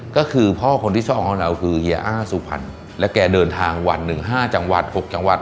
ก็คือพ่อคนที่ชอบเขาคือเฮียอ้าสุพรรณแล้วแกเดินทางหวัน๑๕จังหวัด๖จังหวัด